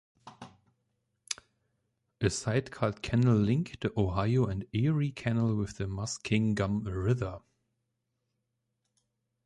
A side cut canal linked the Ohio and Erie Canal with the Muskingum River.